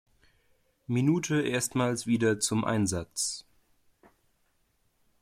Minute erstmals wieder zum Einsatz.